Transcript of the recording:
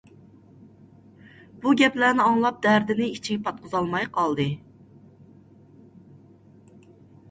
بۇ گەپلەرنى ئاڭلاپ، دەردىنى ئىچىگە پاتقۇزالماي قالدى.